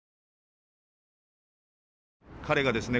彼がですね